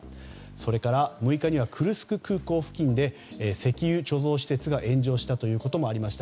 それから、６日にはクルクス空港付近で石油貯蔵施設が炎上したということもありました。